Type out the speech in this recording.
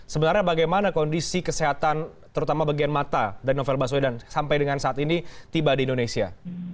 sebenarnya bagaimana kondisi kesehatan terutama bagian mata dari novel baswedan sampai dengan saat ini tiba di indonesia